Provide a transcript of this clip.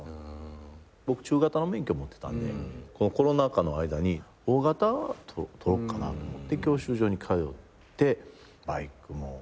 僕中型の免許持ってたのでこのコロナ禍の間に大型取ろうかなと思って教習所に通ってバイクも買い。